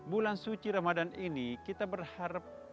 bulan suci ramadan ini kita berharap